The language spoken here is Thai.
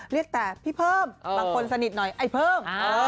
เรียกแต่พี่เพิ่มบางคนสนิทหน่อยไอ้เพิ่ม